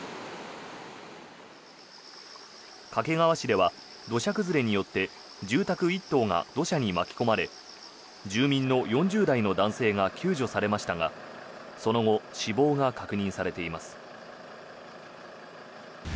掛川市では土砂崩れによって住宅１棟が土砂に巻き込まれ住民の４０代の男性が救助されましたがその後死亡が確認されています。